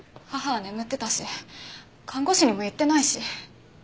母は眠ってたし看護師にも言ってないし。